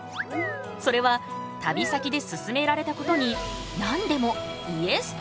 それは旅先ですすめられたことに何でも「イエス！」と答えること。